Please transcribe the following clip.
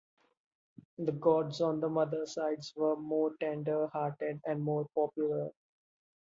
The gods on the mother's side were more tender-hearted and more popular.